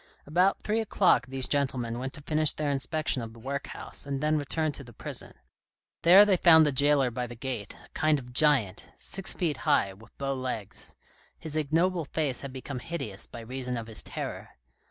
About three o'clock these gentlemen went to finish their inspection of the workhouse and then returned to the prison. There they found the jailer by the gate, a kind of giant, six feet high, with bow legs. His ignoble face had become hideous by reason of his terror.